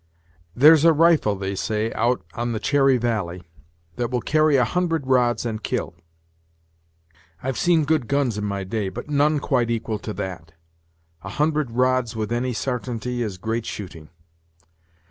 "There's a rifle, they say, out on the Cherry Valley, that will carry a hundred rods and kill. I've seen good guns in my day, but none quite equal to that. A hundred rods with any sartainty is great shooting!